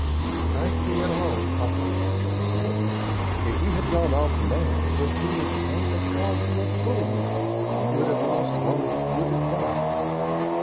"I see it all, papa," chuckled Merton; "if you had gone off mad when he the same as called you a fool, you would have lost all his good advice."